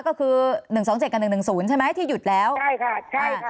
ก็คือหนึ่งสองเจ็ดกับหนึ่งหนึ่งศูนย์ใช่ไหมที่หยุดแล้วใช่ค่ะใช่ค่ะ